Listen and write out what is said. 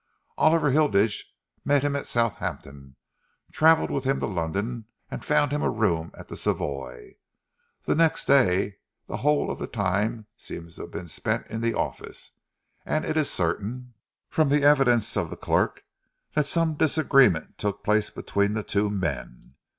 Oliver Hilditch met him at Southampton, travelled with him to London and found him a room at the Savoy. The next day, the whole of the time seems to have been spent in the office, and it is certain, from the evidence of the clerk, that some disagreement took place between the two men.